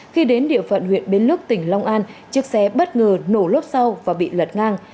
khi đến địa phận huyện bến lức tỉnh long an chiếc xe bất ngờ nổ lốp sau và bị lật ngang